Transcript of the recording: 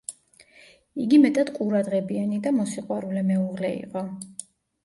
იგი მეტად ყურადღებიანი და მოსიყვარულე მეუღლე იყო.